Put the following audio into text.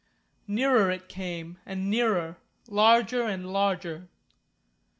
Nearer it came and nearer, larger and larger.